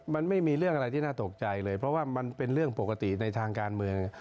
มันไม่มีเรื่องอะไรที่น่าตกใจเลยเพราะว่ามันเป็นเรื่องปกติในทางการเมือง